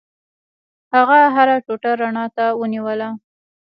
هغه هره ټوټه رڼا ته ونیوله.